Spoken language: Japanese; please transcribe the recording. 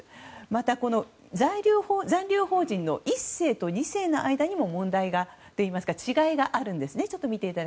また、残留邦人の１世と２世の間にも問題といいますか違いがあるんですね。